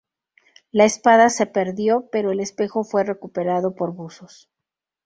La espada se perdió, pero el espejo fue recuperado por buzos.